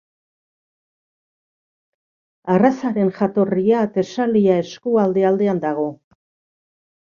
Arrazaren jatorria Tesalia eskualde aldean dago.